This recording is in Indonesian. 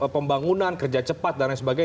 pembangunan kerja cepat dan lain sebagainya